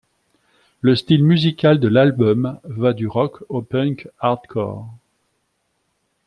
Le style musical de l'album va du rock au punk hardcore.